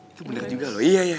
itu bener juga loh